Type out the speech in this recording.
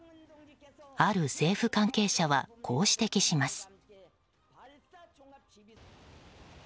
ある政府関係者はこう指摘します。